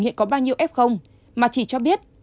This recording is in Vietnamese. hiện có bao nhiêu f mà chỉ cho biết